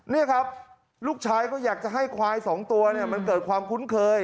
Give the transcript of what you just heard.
นี่ครับลูกชายก็อยากจะให้ควายสองตัวมันเกิดความคุ้นเคย